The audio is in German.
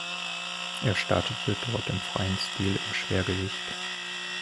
Er startete dort im freien Stil im Schwergewicht.